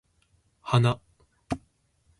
花